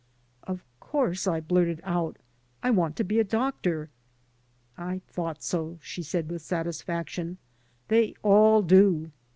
"Of course," I blurted out; "I want to be a doctor." "I thought so," she said, with satisfaction. "They all do.